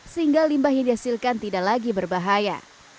sehingga limbah yang dihasilkan tidak lagi berbahaya